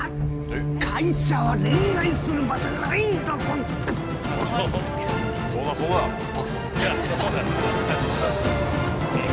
会社は、恋愛する場じゃないんだぞっ！